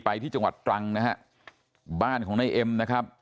ไปที่จังหวัดตรังนะฮะบ้านของนายเอ็มนะครับ